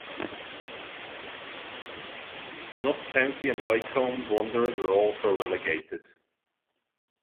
Notts County and Wycombe Wanderers were also relegated.